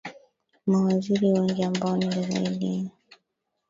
mawaziri wengi ambao ni zaidi ya